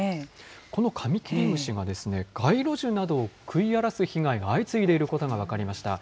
このカミキリムシが、街路樹などを食い荒らす被害が相次いでいることが分かりました。